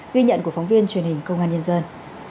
ghi nhận của phóng viên truyền hình công an nhân dân